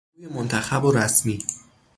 سخنگوی منتخب و رسمی